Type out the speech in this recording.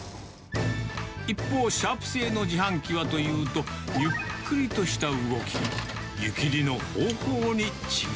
一方、シャープ製の自販機はというと、ゆっくりとした動き。